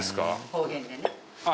方言でね